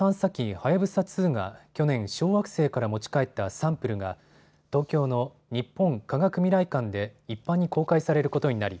はやぶさ２が去年、小惑星から持ち帰ったサンプルが東京の日本科学未来館で一般に公開されることになり